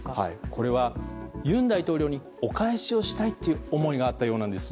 これは尹大統領にお返しをしたいという思いがあったようなんです。